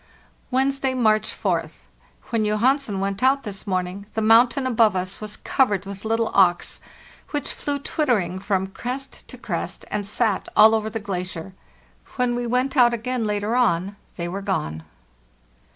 "Wednesday, March 4th. When Johansen went out this morning the mountain above us was covered with little auks, which flew twittering from crest to crest, and sat all over the glacier. When we went out again later on they were gone.